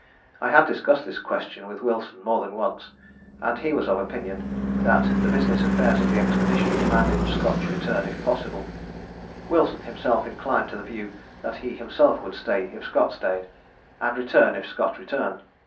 I had discussed this question with Wilson more than once, and he was of opinion that the business affairs of the expedition demanded Scott's return if possible: Wilson himself inclined to the view that he himself would stay if Scott stayed, and return if Scott returned.